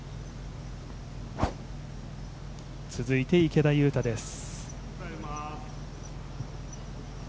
続いて池田勇太です。